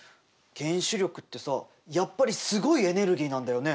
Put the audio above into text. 原子力ってさやっぱりすごいエネルギーなんだよね？